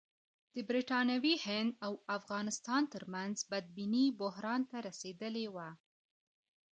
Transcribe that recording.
د برټانوي هند او افغانستان ترمنځ بدبیني بحران ته رسېدلې وه.